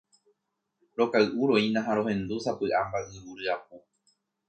Rokay'uroína ha rohendu sapy'a mba'yru ryapu.